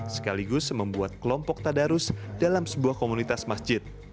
sekaligus membuat kelompok tadarus dalam sebuah komunitas masjid